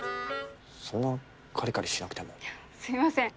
そんなカリカリしなくてもすいません